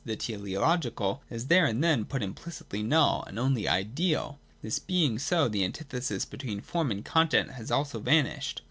the teleological, is there and then put as implicitly null, and only 'ideal.' This being so, the antithesis between form and content has also vanished.